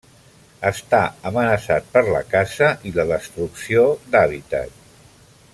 Està amenaçat per la caça i la destrucció d'hàbitat.